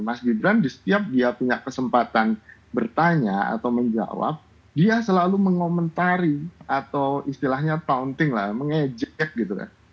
mas gibran di setiap dia punya kesempatan bertanya atau menjawab dia selalu mengomentari atau istilahnya pounting lah mengejek gitu kan